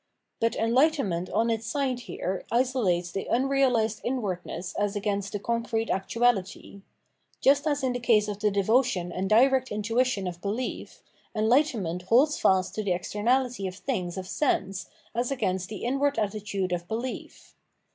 But enlightenment on its side here isolates the un realised inwardness as against the concrete actuality ; just as in the case of the devotion and direct intuition of belief, enlightenment holds fast to the externality of things of sense as against the inward attitude of belief.